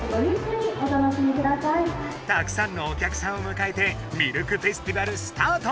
たくさんのおきゃくさんをむかえてミルクフェスティバルスタート！